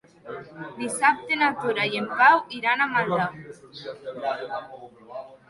Dissabte na Tura i en Pau iran a Maldà.